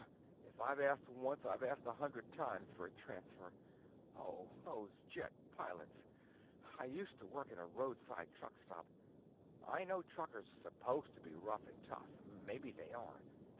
"If I've asked once I've asked a hundred times for a transfer. Oh, those jet pilots! I used to work in a roadside truck stop. I know truckers are supposed to be rough and tough; maybe they are.